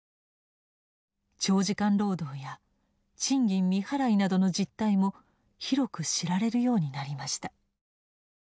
長時間労働や賃金未払いなどの実態も広く知られるようになりました。